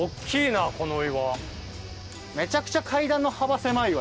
めちゃくちゃ階段の幅狭いわ。